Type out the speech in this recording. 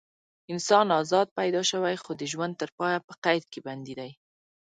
انسان ازاد پیدا شوی خو د ژوند تر پایه په قید کې بندي دی.